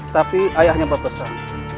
tapi ayah hanya berpesan